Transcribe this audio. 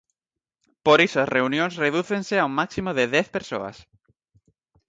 Por iso as reunións redúcense a un máximo de dez persoas.